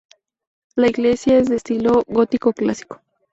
La iglesia es de estilo gótico clásico.